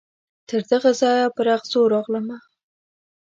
تر دغه ځایه پر اغزو راغلمه